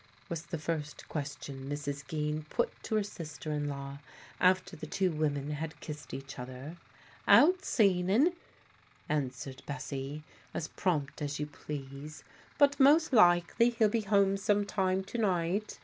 was the first question Mrs. Geen put to her sister in law after the two women had kissed each other. "Out seaning," answered Bessie, as prompt as you please. "But most likely he'll be home some time to night.